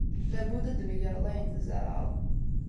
Labudd ad d-tmegreḍ ayen ay tzerɛeḍ.